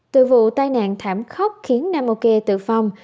từ vụ tai nạn thảm khốc khiến namokê tử phong